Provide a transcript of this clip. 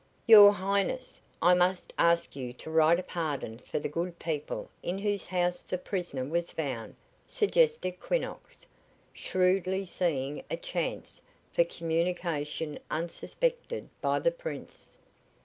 "Your Highness, I must ask you to write a pardon for the good people in whose house the prisoner was found," suggested Quinnox, shrewdly seeing a chance for communication unsuspected by the Prince.